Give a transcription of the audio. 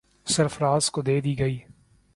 سرفراز کو دے دی گئی۔